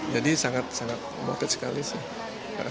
jadi sangat sangat awarded sekali sih